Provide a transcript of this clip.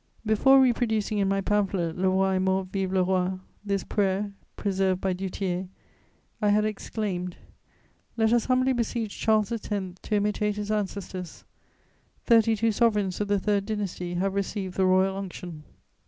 Before reproducing in my pamphlet, Le Roi est mort: vive le roi! this prayer preserved by Du Tillet, I had exclaimed: "Let us humbly beseech Charles X. to imitate his ancestors: thirty two sovereigns of the Third Dynasty have received the royal unction."